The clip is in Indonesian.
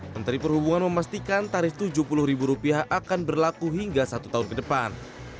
menteri perhubungan memastikan tarif rp tujuh puluh akan berlaku hingga satu tahun ke depan